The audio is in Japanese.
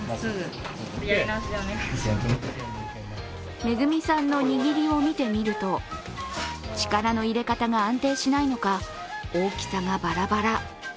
恵さんの握りを見てみると力の入れ方が安定しないのか大きさがバラバラ。